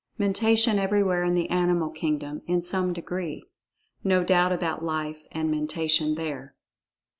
Mentation everywhere in the animal kingdom, in some degree. No doubt about Life and Mentation, there.